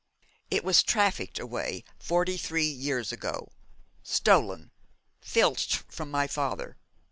'It was trafficked away forty three years ago, stolen, filched from my father!